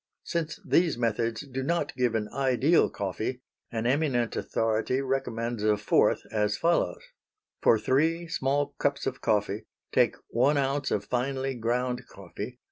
Since these methods do not give an ideal coffee an eminent authority recommends a fourth, as follows: For three small cups of coffee take one ounce of finely ground coffee.